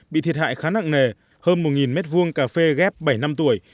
bị thiệt hại khá nặng nề hơn một mét vuông cà phê ghép bảy năm tuổi